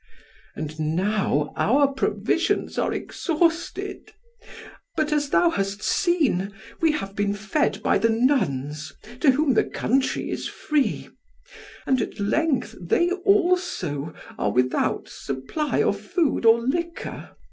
And now our provisions are exhausted; but as thou hast seen, we have been fed by the nuns, to whom the country is free. And at length they also are without supply of food or liquor.